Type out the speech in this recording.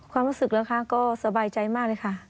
ความรู้สึกนะคะก็สบายใจมากเลยค่ะ